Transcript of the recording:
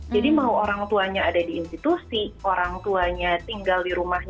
jadi mau orang tuanya ada di institusi orang tuanya tinggal di rumah